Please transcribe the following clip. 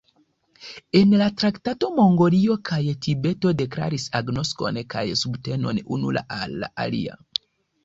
En la traktato Mongolio kaj Tibeto deklaris agnoskon kaj subtenon unu al la alia.